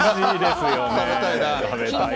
食べたいな。